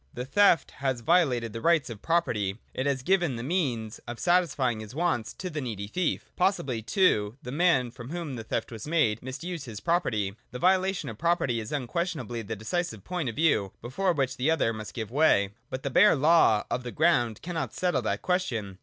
The theft has violated the rights of property : it has given the means of satisfying his wants to the needy thief: possibly too the man, from whom the theft was made, misused his property. The violation of property is unques 1 2 1. J THE SUFFICIENT REASON. 227 tionably the decisive point of view before which the others must give way : but the bare law of the ground cannot settle that question.